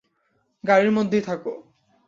গাড়ির মধ্যেই থাক।